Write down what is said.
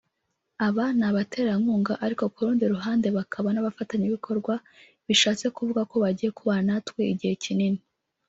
Aba ni abaterankunga ariko kurundi ruhande bakaba n’abafatanyabikorwa bishatse kuvuga ko bagiye kubana natwe igihe kinini